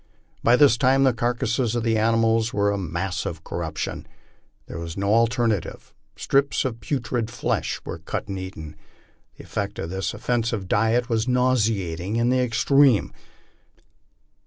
By this time the carcasses of the animals were a mass of corruption. There was no alternative strips of putrid flesh were cut and eaten. The effect of this offensive diet was nauseating in the extreme.